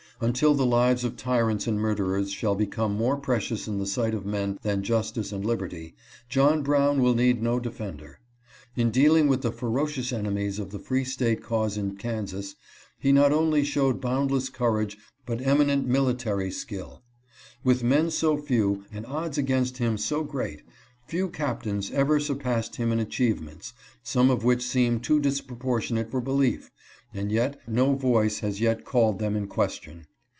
Until the lives of tyrants and murderers shall become more precious in the sight of men than justice and liberty, John Brown will need no defender. In dealing with the ferocious enemies of the free State cause in Kansas, he not only showed boundless courage but emi nent military skill. With men so few, and odds against him so great, few captains ever surpassed him in achieve ments, some of which seem too disproportionate for belief, and yet no voice has yet called them in question.